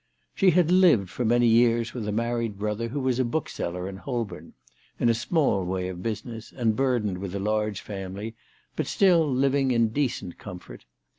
She had lived for many years with a married brother, who was a bookseller in Holborn, in a small way of business, and burdened with a large family, but still living in decent comfort.